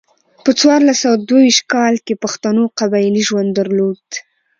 په څوارلس سوه دوه ویشت کال کې پښتنو قبایلي ژوند درلود.